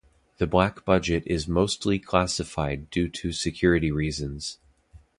The black budget is mostly classified due to security reasons.